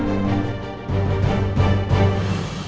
kau gak sudah tahu